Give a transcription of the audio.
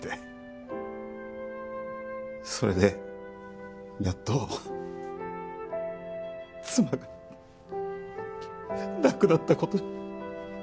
それでやっと妻が亡くなった事に。